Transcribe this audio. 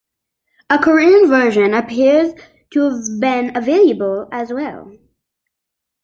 A Korean version appears to have been available as well.